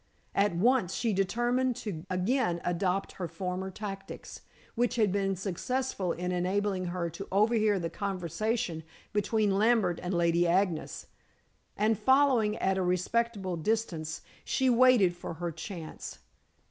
At once she determined to again adopt her former tactics, which had been successful in enabling her to overhear the conversation between Lambert and Lady Agnes, and, following at a respectful distance, she waited for her chance.